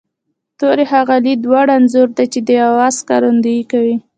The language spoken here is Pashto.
توری هغه لید وړ انځور دی چې د یوه آواز ښکارندويي کوي